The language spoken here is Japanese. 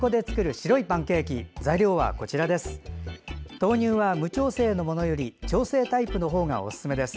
豆乳は無調整のものより調整タイプのほうがおすすめです。